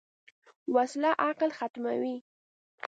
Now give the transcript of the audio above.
وسله عقل ختموي